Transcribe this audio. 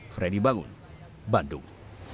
fredy bagun bandung